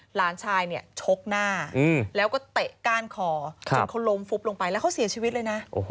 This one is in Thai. หลานชายเนี่ยชกหน้าแล้วก็เตะก้านคอจนเขาล้มฟุบลงไปแล้วเขาเสียชีวิตเลยนะ